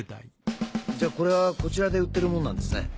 じゃあこれはこちらで売っているものなんですね？